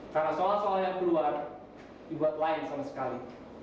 karena soal soal yang keluar dibuat lain sama sekali